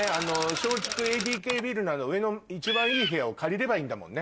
松竹ＡＤＫビルの上の一番いい部屋を借りればいいんだもんね。